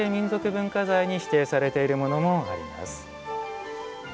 文化財に指定されているものもあります。